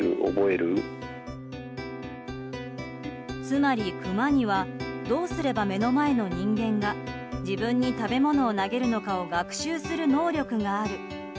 つまり、クマにはどうすれば目の前の人間が自分に食べ物を投げるのかを学習する能力がある。